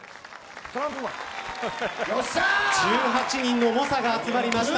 １８人の猛者が集まりました。